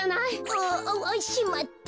あわわしまった！